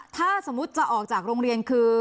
ถ้าสมมุติจะออกจากโรงเรียนคือ